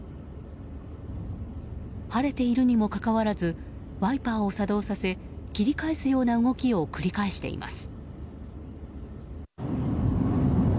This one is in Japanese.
晴れているにもかかわらずワイパーを作動させ切り返すような動きを繰り返しています。